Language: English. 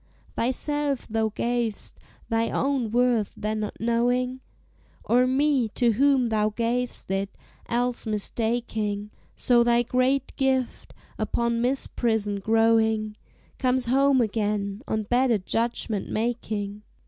Thyself thou gav'st, thy own worth then not knowing? Or me, to whom thou gav'st it, else mistaking; So thy great gift, upon misprision growing, Comes home again, on better judgment making.